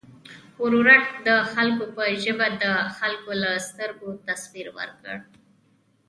ورورک د خلکو په ژبه د خلکو له سترګو تصویر ورکړ.